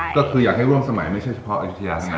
ก็คืออยากให้ร่วมสมัยไม่ใช่เฉพาะอยุธยาเท่านั้น